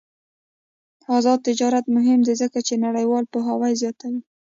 آزاد تجارت مهم دی ځکه چې نړیوال پوهاوی زیاتوي.